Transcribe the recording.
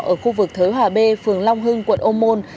ở khu vực thới hòa b phường long hưng quận ô môn